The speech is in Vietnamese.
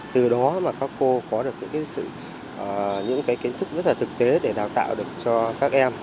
từ đó các cô có được những kiến thức rất thực tế để đào tạo được cho các em